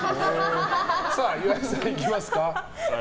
岩井さん、いきますか。